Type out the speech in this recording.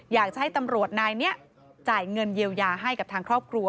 อยากจะให้ตำรวจนายนี้จ่ายเงินเยียวยาให้กับทางครอบครัว